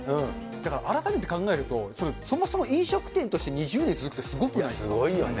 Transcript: だから改めて考えると、そもそも飲食店として２０年続くって、すごいよね。